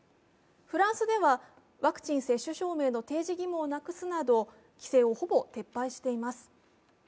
フランスではワクチン接種証明の提示義務をなくすなど規制をほぼ撤廃しています。